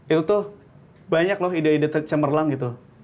itu tuh banyak loh ide ide cemerlang gitu